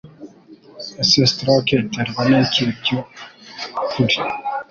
Ese Stroke iterwa n'iki mbyukuri